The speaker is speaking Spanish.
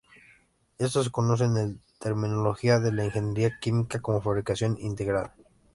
Esto se conoce en la terminología de la ingeniería química como fabricación integrada.